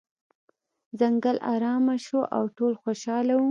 ځنګل ارامه شو او ټول خوشحاله وو.